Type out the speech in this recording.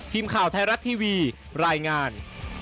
ทีมข่าวไทยรัฐทีวีรายงาน